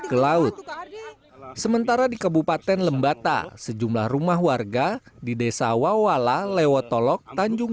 ke laut sementara di kabupaten lembata sejumlah rumah warga di desa wawala lewotolok tanjung